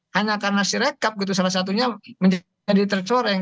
hanya karena sirekap gitu salah satunya menjadi tercoreng